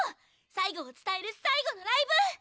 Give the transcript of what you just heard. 最後を伝える最後のライブ！